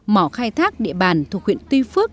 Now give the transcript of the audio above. mỏ khai thác địa bàn thuộc huyện tuy phước